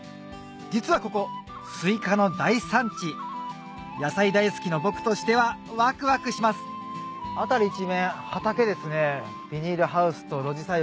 実はここすいかの大産地野菜大好きの僕としてはワクワクします作業してるやん。